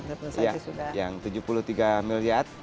bpjs yang tujuh puluh tiga miliar